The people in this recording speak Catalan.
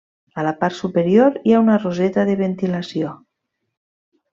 A la part superior hi ha una roseta de ventilació.